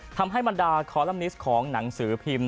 ทำให้มันดาคอลัมนิสของหนังสือพิมพ์